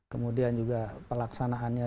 kemudian juga pelaksanaannya